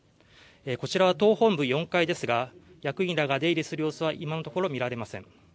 こちら党本部４階ですが役員らが出入りする様子は今のところ見られません。